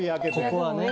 ここはね。